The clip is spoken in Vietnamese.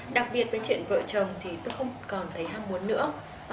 đặc biệt với chuyện vợ chồng thì tôi không còn thấy hang muốn nữa